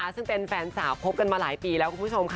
ซึ่งเป็นแฟนสาวคบกันมาหลายปีแล้วคุณผู้ชมค่ะ